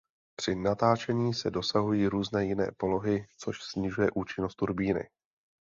Při natáčení se dosahují různé jiné polohy což snižuje účinnost turbíny.